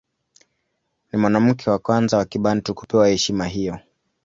Ni mwanamke wa kwanza wa Kibantu kupewa heshima hiyo.